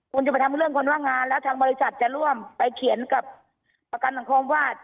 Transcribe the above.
คุณจะไปทำเรื่องคนว่างงานแล้วทางบริษัทจะร่วมไปเขียนกับประกันสังคมว่า